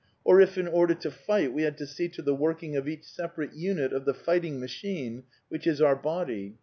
Or if in order to fight we had to see to the working of each separate unit of the fighting machine which is our body.